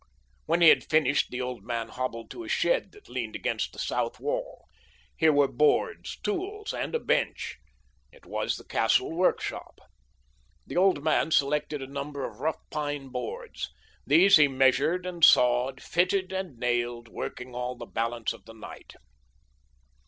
When he had finished the old man hobbled to a shed that leaned against the south wall. Here were boards, tools, and a bench. It was the castle workshop. The old man selected a number of rough pine boards. These he measured and sawed, fitted and nailed, working all the balance of the night.